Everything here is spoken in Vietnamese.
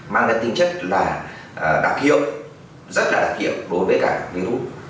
mang cái tính chất là đặc hiệu rất là đặc hiệu đối với cả virus